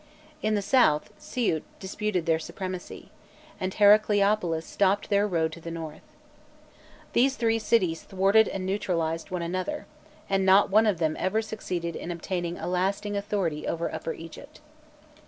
In the south, Siût disputed their supremacy, and Heracleopolis stopped their road to the north. These three cities thwarted and neutralized one another, and not one of them ever succeeded in obtaining a lasting authority over Upper Egypt.